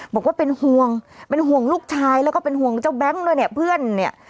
บอกว่าเป็นห่วงเป็นห่วงลูกชายแล้วก็เป็นห่วงเจ้าแบงค์ด้วยเนี่ยเพื่อนเนี่ย